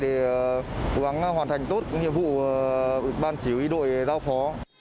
thì cố gắng hoàn thành tốt nhiệm vụ ban chỉ huy đội giao phó